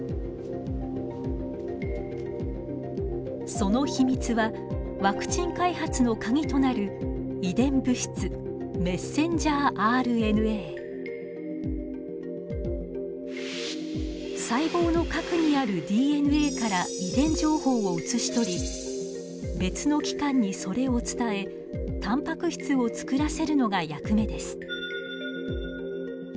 その秘密はワクチン開発のカギとなる細胞の核にあるＤＮＡから遺伝情報を写し取り別の器官にそれを伝えタンパク質を作らせるのが役目です。